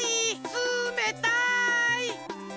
つめたい！